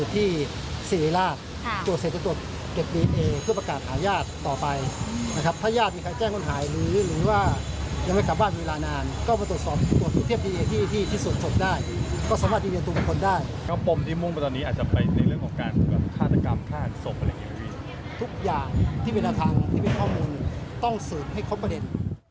ทุกอย่างที่เป็นแนวทางที่เป็นข้อมูลต้องสืบให้ครบประเด็น